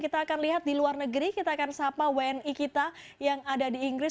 kita akan lihat di luar negeri kita akan sapa wni kita yang ada di inggris